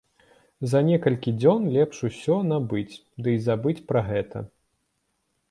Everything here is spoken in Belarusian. За некалькі дзён лепш усё набыць, ды і забыць пра гэта.